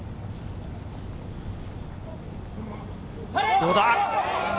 どうだ？